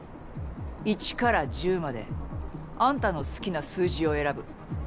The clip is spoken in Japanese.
１から１０まであんたの好きな数字を選ぶ。